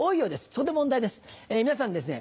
そこで問題です皆さんですね